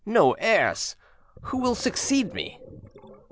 no heirs! Who will succeed me?"